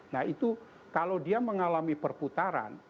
nah itu kalau dia mengalami perputaran